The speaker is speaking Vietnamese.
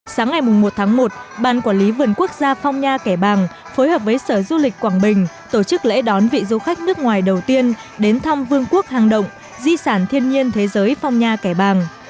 sáng ngày một tháng một ban quản lý vườn quốc gia phong nha kẻ bàng phối hợp với sở du lịch quảng bình tổ chức lễ đón vị du khách nước ngoài đầu tiên đến thăm vương quốc hàng động di sản thiên nhiên thế giới phong nha kẻ bàng